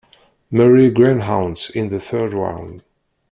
Marie Greyhounds in the third round.